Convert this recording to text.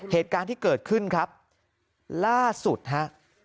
เหตุการณ์ที่เกิดขึ้นครับล่าสุดฮะ